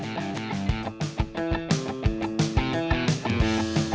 masalah sebelis aja ini